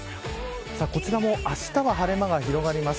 こちらも、あしたは晴れ間が広がります。